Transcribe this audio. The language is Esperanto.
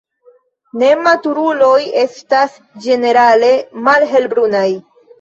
Nematuruloj estas ĝenerale malhelbrunaj.